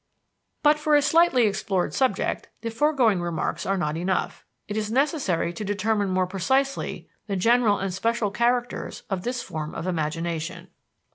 But for a slightly explored subject, the foregoing remarks are not enough. It is necessary to determine more precisely the general and special characters of this form of imagination.